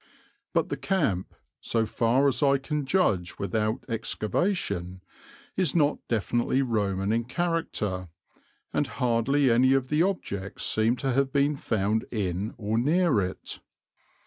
But the camp, so far as I can judge without excavation, is not definitely Roman in character, and hardly any of the objects seem to have been found in or near it."